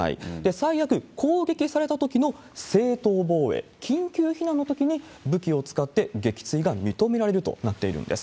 最悪、攻撃されたときの正当防衛、緊急避難のときに、武器を使って撃墜が認められるとなっているんです。